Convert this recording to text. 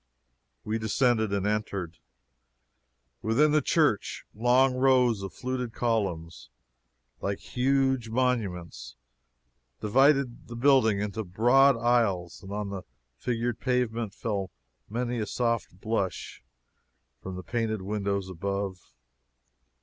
We descended and entered. Within the church, long rows of fluted columns, like huge monuments, divided the building into broad aisles, and on the figured pavement fell many a soft blush from the painted windows above.